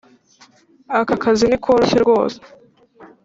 Aka kazi ntikoroshye rwose